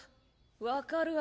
分かるわ。